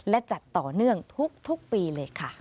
และจัดต่อเนื่องทุกปีเลยค่ะ